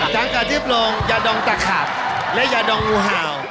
จังกะทิบลงยาดองตะขาดและยาดองหูห่าว